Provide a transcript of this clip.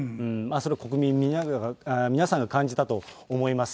それは、国民皆さんが感じたと思います。